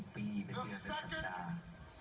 ปีเป็นเดือนเป็นสัปดาห์